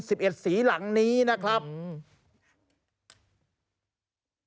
๑๑สีหลังนี้นะครับ